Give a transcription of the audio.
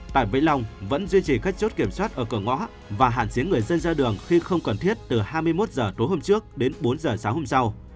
tại vĩnh long vẫn duy trì các chốt kiểm soát ở cửa ngõ và hạn chế người dân ra đường khi không cần thiết từ hai mươi một h tối hôm trước đến bốn h sáng hôm sau